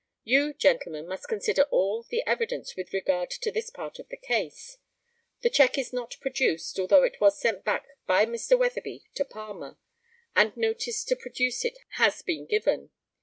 You, gentlemen, must consider all the evidence with regard to this part of the case. The cheque is not produced, although it was sent back by Mr. Weatherby to Palmer, and notice to produce it has been given.